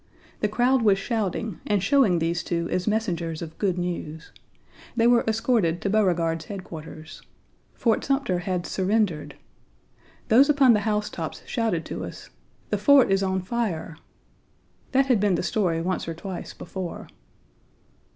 The crowd was shouting and showing these two as messengers of good news. They were escorted to Beauregard's headquarters. Fort Sumter had surrendered! Those upon the housetops shouted to us "The fort is on fire." That had been the story once or twice before.